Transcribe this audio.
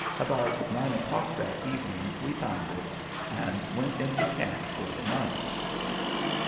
About nine o'clock that evening we found it and went into camp for the night.